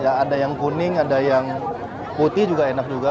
ya ada yang kuning ada yang putih juga enak juga